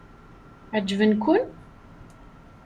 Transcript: Ɛeǧben-ken?